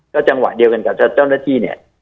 จังหวะเดียวกันกับเจ้าหน้าที่เนี่ย